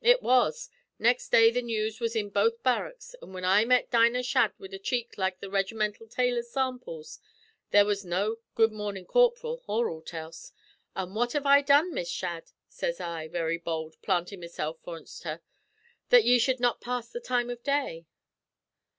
It was. Next day the news was in both barracks; an' whin I met Dinah Shadd wid a cheek like all the reg'mintal tailors' samples, there was no 'Good mornin', corp'ril,' or aught else. 'An' what have I done, Miss Shadd,' sez I, very bould, plantin' mesilf forninst her, 'that ye should not pass the time of day?'